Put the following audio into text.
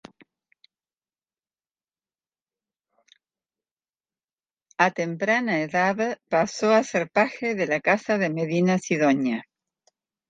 A temprana edad pasó a ser paje de la Casa de Medina Sidonia.